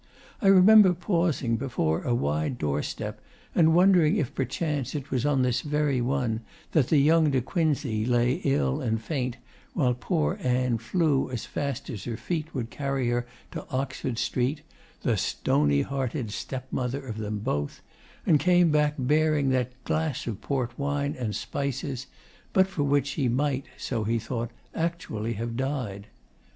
I remember pausing before a wide doorstep and wondering if perchance it was on this very one that the young De Quincey lay ill and faint while poor Ann flew as fast as her feet would carry her to Oxford Street, the 'stony hearted stepmother' of them both, and came back bearing that 'glass of port wine and spices' but for which he might, so he thought, actually have died.